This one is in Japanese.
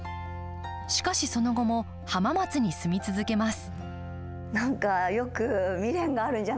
しかし、その後も浜松に住み続けます。